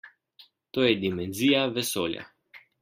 To je dimenzija vesolja.